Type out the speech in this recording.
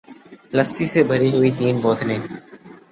لسی سے بھری ہوئی تین بوتلیں